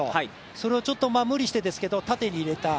それを、無理してですけど縦に入れた。